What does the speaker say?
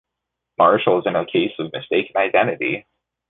Marshals in a case of mistaken identity.